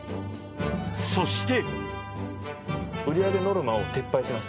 そして。